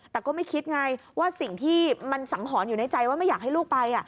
แต่ก็ไม่คิดไงว่าสิ่งที่มันสังหรณ์อยู่ในใจว่าไม่อยากให้ลูกไป